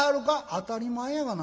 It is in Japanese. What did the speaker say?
「当たり前やがな。